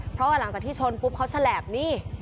เพราะว่าหลังจากที่ชนปุ๊บเขาฉลับนี่